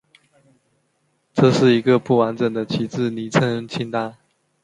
这是一个不完整的旗帜昵称清单。